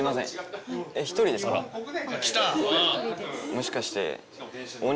もしかして。